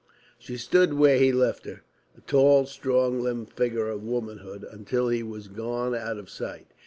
She stood where he left her, a tall, strong limbed figure of womanhood, until he was gone out of sight.